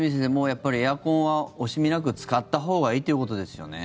やっぱりエアコンは惜しみなく使ったほうがいいということですよね。